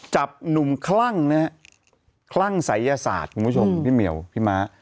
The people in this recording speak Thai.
จับหนุ่มคลั่งนะฮะคลั่งศัยยศาสตร์คุณผู้ชมพี่เหมียวพี่ม้า